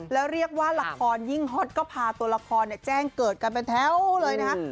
แล้วเรียกว่าละครยิ่งฮอตก็พาตัวละครแจ้งเกิดกันเป็นแถวเลยนะฮะ